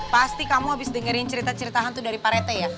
pasti kamu abis dengerin cerita ceritahan itu dari pak rete ya